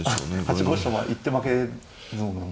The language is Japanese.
８五飛車は一手負け。